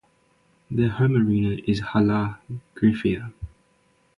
Their home arena is Hala Gryfia.